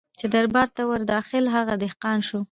چي دربار ته ور داخل هغه دهقان سو